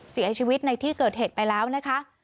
เสียชีวิตในที่เกิดเหตุไปแล้วนะคะ